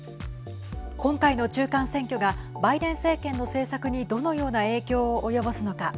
今回の中間選挙がバイデン政権の政策にどのような影響を及ぼすのか。